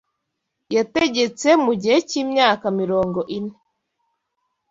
Yategetse mu gihe cy’imyaka mirongo ine